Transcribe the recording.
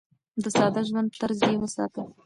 د ساده ژوند طرز يې وساته.